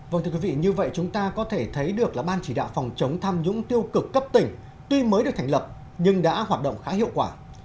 vâng thưa quý vị như vậy chúng ta có thể thấy được là ban chỉ đạo phòng chống tham nhũng tiêu cực cấp tỉnh tuy mới được thành lập nhưng đã hoạt động khá hiệu quả